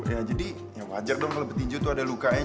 ya jadi ya wajar dong kalau tinju tuh ada luka aja